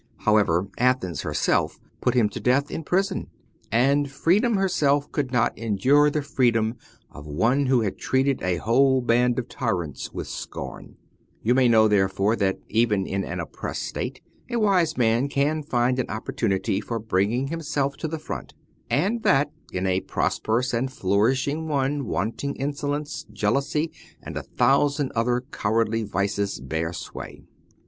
However, Athens herself put him to death in prison, and Freedom herseH could not endure the freedom of one who had treated a whole band of tyrants with scorn : you may know, therefore, that even in an oppressed state a wise man can find an opportunity for bringing himself to the front, and that in a prosperous and flourishing one wanton insolence, jealousy, and a thousand other cowardly vices bear sway.